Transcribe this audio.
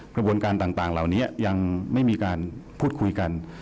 กระบวนการต่างเหล่านี้ยังไม่มีการพูดคุยกัน